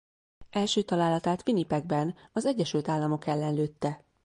Első találatát Winnipegben az Egyesült Államok ellen lőtte.